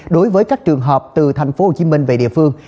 đối với các trường hợp từ tp hcm về địa phương